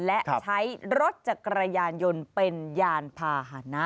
และใช้รถจักรยานยนต์เป็นยานพาหนะ